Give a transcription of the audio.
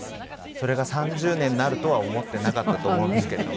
それが３０年になるとは思ってなかったと思うんですけれども。